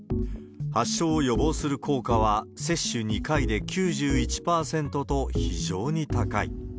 発症を予防する効果は接種２回で９１％と、非常に高い。